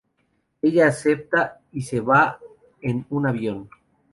Ella acepta y se va en un avión.